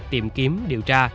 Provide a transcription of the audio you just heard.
tìm kiếm điều tra